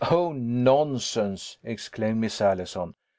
"Oh, nonsense!" exclaimed Miss Allison.